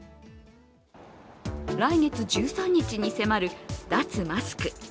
来月１３日に迫る脱マスク。